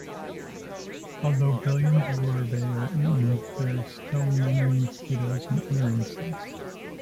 Although billions of larvae are eaten, there are still many mosquitoes and other insects.